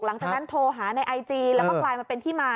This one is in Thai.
หลังจากนั้นโทรหาในไอจีแล้วก็กลายมาเป็นที่มา